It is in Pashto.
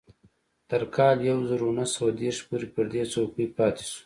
تر کال يو زر و نهه سوه دېرش پورې پر دې څوکۍ پاتې شو.